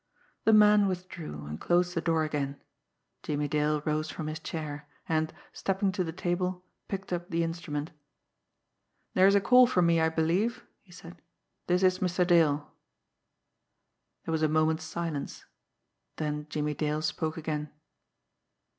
The man withdrew, and closed the door again. Jimmie Dale rose from his chair, and, stepping to the table, picked up the instrument. "There is a call for me, I believe," he said. "This is Mr. Dale." There was a moment's silence, then Jimmie Dale spoke again.